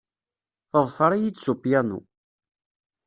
Teḍfer-iyi-d s upyanu.